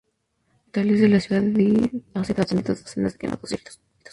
En los hospitales de la ciudad han sido atendidos decenas de quemados y heridos.